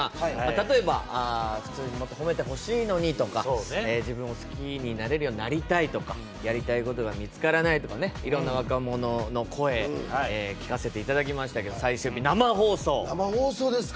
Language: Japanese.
例えば、普通にもっと褒めてほしいのにとか自分を好きになれるようになりたいとかやりたいことが見つからないとかいろんな若者の声聴かせていただきましたけど最終日、生放送。